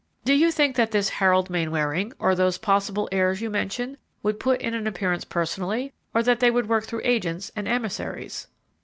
Do you think that this Harold Mainwaring, or those possible heirs you mention, would put in an appearance personally, or that they would work through agents and emissaries?"